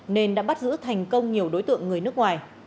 nên đã bắt giữ thành công nhiều đối tượng người nước ngoài